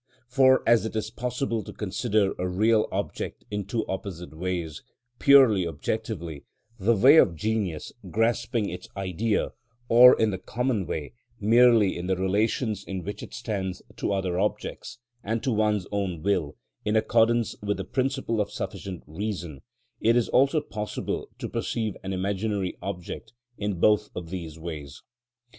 For as it is possible to consider a real object in two opposite ways, purely objectively, the way of genius grasping its Idea, or in the common way, merely in the relations in which it stands to other objects and to one's own will, in accordance with the principle of sufficient reason, it is also possible to perceive an imaginary object in both of these ways.